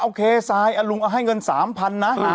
เอาแล้วลุงก็ให้เงิน๓๐๐๐นะคะ